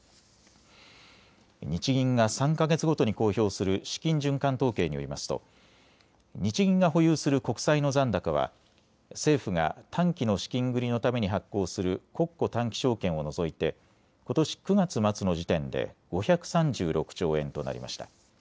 日銀が３か月ごとに公表する資金循環統計によりますと日銀が保有する国債の残高は政府が短期の資金繰りのために発行する国庫短期証券を除いてことし９月末の時点で５３６兆円となりました。